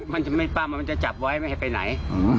มันจะไม่ปั้มมันจะจับไว้ไม่ให้ไปไหน